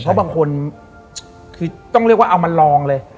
เพราะบางคนคือต้องเรียกว่าเอามาลองเลย